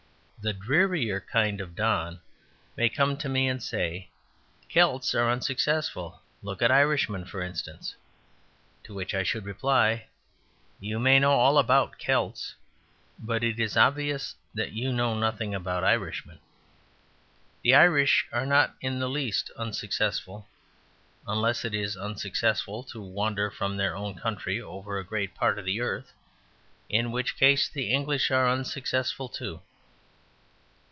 The drearier kind of don may come to me and say, "Celts are unsuccessful; look at Irishmen, for instance." To which I should reply, "You may know all about Celts; but it is obvious that you know nothing about Irishmen. The Irish are not in the least unsuccessful, unless it is unsuccessful to wander from their own country over a great part of the earth, in which case the English are unsuccessful too."